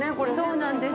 そうなんですよ。